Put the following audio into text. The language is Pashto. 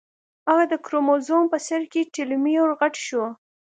اگه د کروموزوم په سر کې ټيلومېر غټ شو.